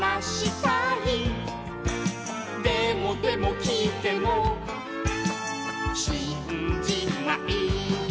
「でもでもきいてもしんじない」